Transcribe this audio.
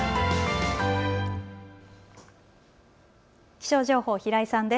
気象情報、平井さんです。